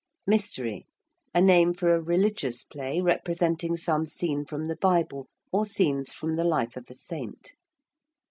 ~mystery~: a name for a religious play representing some scene from the Bible or scenes from the life of a saint.